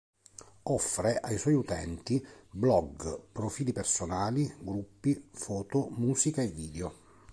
Offre ai suoi utenti blog, profili personali, gruppi, foto, musica e video.